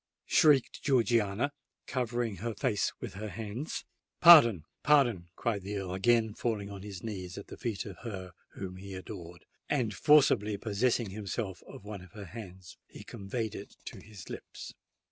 shrieked Georgiana, covering her face with her hands. "Pardon—pardon!" cried the Earl, again falling on his knees at the feet of her whom he adored; and, forcibly possessing himself of one of her hands, he conveyed it to his lips.